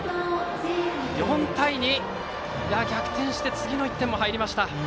４対２。逆転して次の１点も入りました。